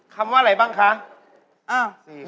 คำว่าอะไรบ้างคะอ้าว๔คำครับ